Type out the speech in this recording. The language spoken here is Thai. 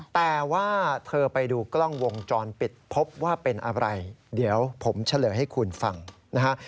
แต่ว่าเธอไปดูกล้องวงจรปิดพบว่าเป็นอะไรเดี๋ยวผมเฉลยให้คุณฟังนะฮะ